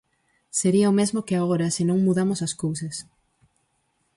Sería o mesmo que agora, se non mudamos as cousas.